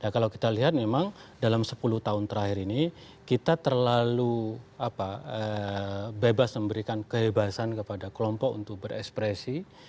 dan kalau kita lihat memang dalam sepuluh tahun terakhir ini kita terlalu bebas memberikan kehebasan kepada kelompok untuk berekspresi